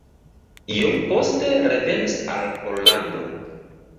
Iom poste revenis al Pollando.